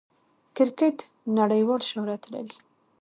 کرکټ نړۍوال شهرت لري.